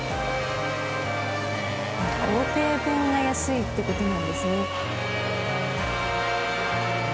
工程分が安いって事なんですね。